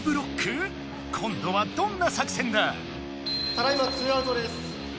ただいま２アウトです。